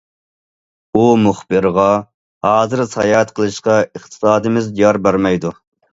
ئۇ مۇخبىرغا: ھازىر ساياھەت قىلىشقا ئىقتىسادىمىز يار بەرمەيدۇ.